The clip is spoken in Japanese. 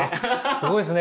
すごいですね。